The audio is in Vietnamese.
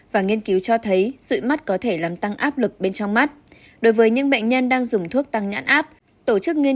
và nghiên cứu cho thấy rụi mắt có thể làm tăng áp lực bên trong mắt